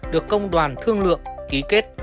được công đoàn thương lượng ký kết